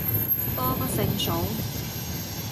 多不勝數